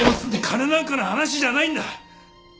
金なんかの話じゃないんだ！